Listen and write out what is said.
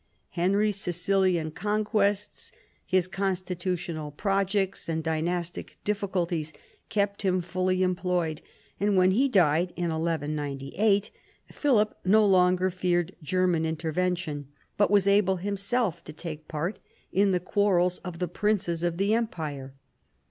Henry's Sicilian conquests, his constitutional projects and dynastic difficulties, kept him fully employed, and when he died in 1198 Philip no longer feared German intervention, but was able him self to take part in the quarrels of the princes of the Empire.